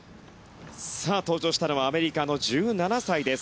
登場したのはアメリカの１７歳です